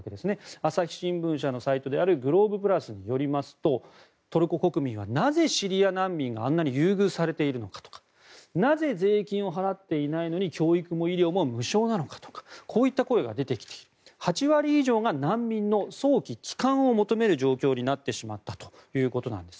朝日新聞社のサイトであるＧＬＯＢＥ＋によりますとトルコ国民はなぜシリア難民があんなに優遇されているのかとかなぜ税金を払っていないのに教育も医療も無償なのかといった声が出てきて８割以上が難民の早期帰還を求める状況になってしまったということです。